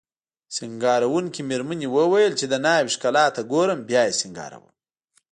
سینګاروونکې میرمنې وویل چې د ناوې ښکلا ته ګورم بیا یې سینګاروم